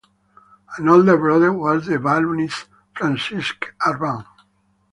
An older brother was the balloonist Francisque Arban.